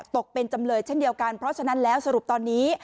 ตกเป็นจำเลยเช่นเดียวกันเพราะฉะนั้นแล้วสรุปตอนนี้